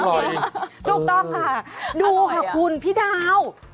อร่อยตูกต้องครับดูค่ะคุณพี่น้ำพี่ดาว